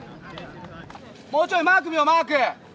もうちょいマーク見ようマーク。